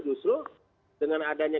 justru dengan adanya